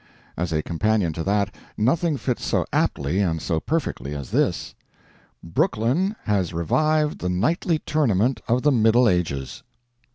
As a companion to that, nothing fits so aptly and so perfectly as this: Brooklyn has revived the knightly tournament of the Middle Ages.